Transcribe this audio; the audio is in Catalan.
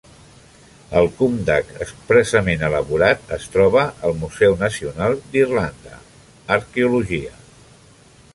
El cumdach expressament elaborat es troba al Museu Nacional d'Irlanda: Arqueologia.